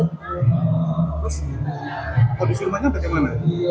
terus kondisi rumahnya bagaimana